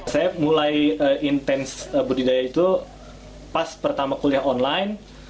saya mulai intens budidaya itu pas pertama kuliah online